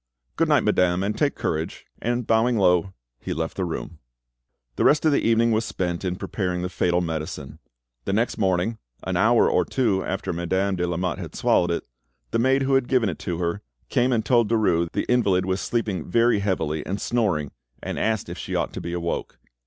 "Good night, madame; and take courage"; and bowing low, he left the room. The rest of the evening was spent in preparing the fatal medicine. The next morning, an hour or two after Madame de Lamotte had swallowed it, the maid who had given it to her came and told Derues the invalid was sleeping very heavily and snoring, and asked if she ought to be awoke.